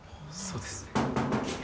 そうですね。